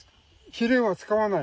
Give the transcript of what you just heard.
肥料は使わない。